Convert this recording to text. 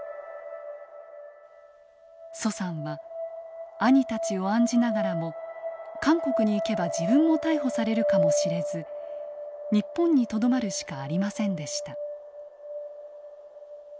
徐さんは兄たちを案じながらも韓国に行けば自分も逮捕されるかもしれず日本にとどまるしかありませんでした。